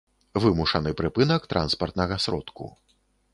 вымушаны прыпынак транспартнага сродку